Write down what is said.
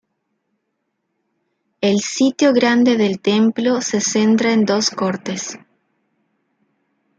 El sitio grande del templo se centra en dos cortes.